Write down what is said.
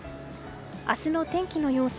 明日の天気の様子。